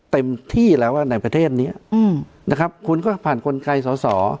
เต็มที่แล้วอะในประเทศเนี้ยอืมนะครับคุณก็ผ่านคนไกลสสร